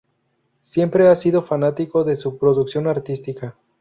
Siempre he sido fanático de su producción artística.